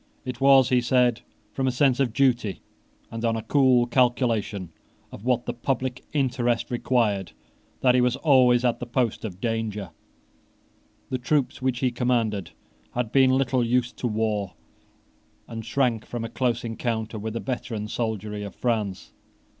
It was, he said, from a sense of duty and on a cool calculation of what the public interest required that he was always at the post of danger. The troops which he commanded had been little used to war, and shrank from a close encounter with the veteran soldiery of France.